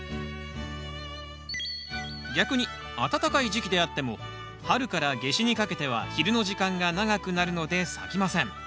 逆に暖かい時期であっても春から夏至にかけては昼の時間が長くなるので咲きません。